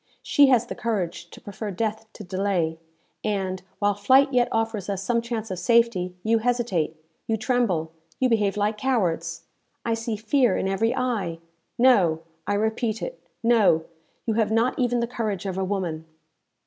She has the courage to prefer death to delay; and, while flight yet offers us some chance of safety, you hesitate, you tremble, you behave like cowards! I see fear in every eye! No, I repeat it no, you have not even the courage of a woman!"